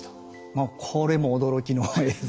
もうこれも驚きの映像。